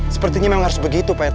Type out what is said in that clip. sepertinya memang harus begitu pak